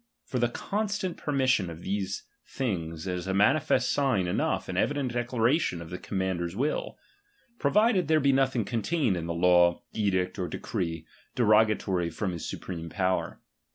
For the constant permission of these things is a manifest sign Enough and evident declaration of the command er's will ; provided there be nothing contained in t\xt law, edict, or decree, derogatory from his su preme power.